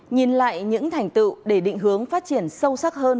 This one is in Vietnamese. nhìn lại những thành tựu để định hướng phát triển sâu sắc hơn